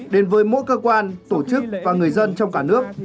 đến với mỗi cơ quan tổ chức và người dân trong cả nước